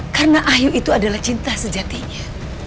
karena ahyu itu adalah cinta sejatinya